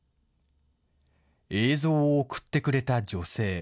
映像を送ってくれた女性。